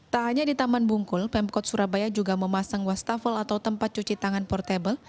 tak hanya di taman bungkul pemkot surabaya juga memasang wastafel atau tempat cuci tangan portable